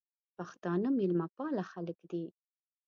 پښتانه مېلمه پاله خلګ دي.